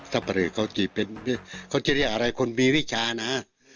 ปะเลอเขาจะเป็นเขาจะเรียกอะไรคนมีวิชานะ